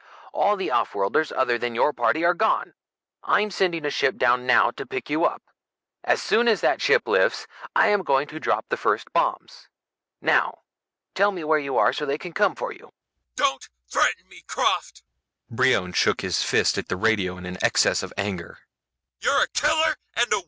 All the offworlders other than your party are gone. I'm sending a ship down now to pick you up. As soon as that ship lifts I am going to drop the first bombs. Now tell me where you are so they can come for you." "Don't threaten me, Krafft!" Brion shook his fist at the radio in an excess of anger.